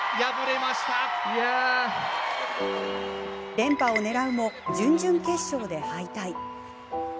連覇を狙うも、準々決勝で敗退。